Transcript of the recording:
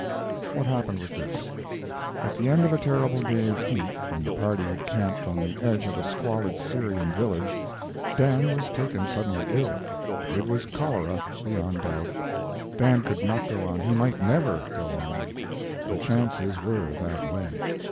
What happened was this: At the end of a terrible day of heat, when the party had camped on the edge of a squalid Syrian village, Dan was taken suddenly ill. It was cholera, beyond doubt. Dan could not go on he might never go on. The chances were that way.